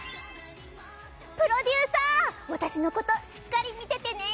プロデューサー私のこと、しっかり見ててね！